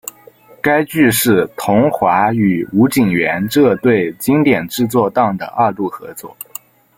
该剧是桐华与吴锦源这对经典制作档的二度合作。